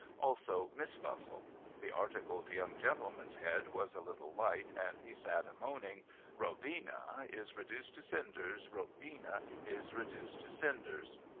Also iNIiss Buffle. The articled young gentleman's head was a little light and he sat a moaning ' Robina is reduced to cinders, Robina is reduced to cinders